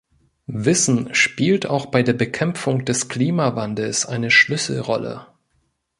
Wissen spielt auch bei der Bekämpfung des Klimawandels eine Schlüsselrolle.